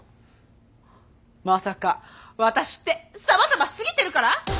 まさかワタシってサバサバしすぎてるから？